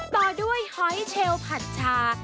ต่อด้วยหอยเชลผัดชา